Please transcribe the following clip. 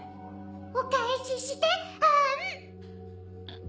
お返ししてあーん。